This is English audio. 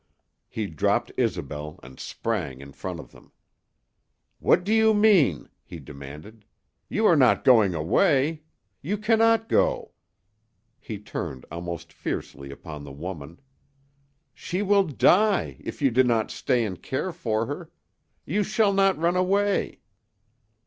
He dropped Isobel and sprang in front of them. "What do you mean?" he demanded. "You are not going away! You cannot go!" He turned almost fiercely upon the woman. "She will die if you do not stay and care for her. You shall not run away!"